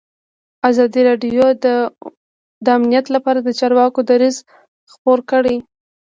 ازادي راډیو د امنیت لپاره د چارواکو دریځ خپور کړی.